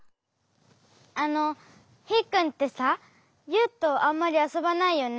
あのヒーくんってさユウとあんまりあそばないよね？